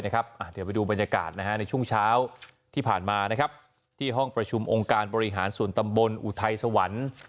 เดี๋ยวไปดูบรรยากาศในช่วงเช้าที่ผ่านมาที่ห้องประชุมองค์การบริหารส่วนตำบลอุทัยสวรรค์